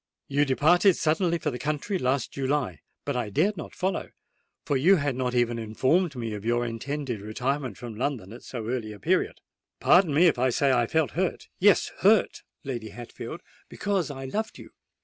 You departed suddenly for the country last July: but I dared not follow—for you had not even informed me of your intended retirement from London at so early a period. Pardon me if I say I felt hurt,—yes, hurt, Lady Hatfield,—because I loved you!